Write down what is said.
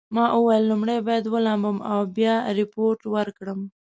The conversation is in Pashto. ما وویل لومړی باید ولامبم او بیا ریپورټ ورکړم.